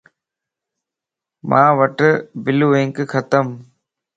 مان وٽ بلوانڪ ختمَ